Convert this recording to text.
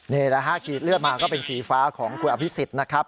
นี่แหละฮะกรีดเลือดมาก็เป็นสีฟ้าของคุณอภิษฎนะครับ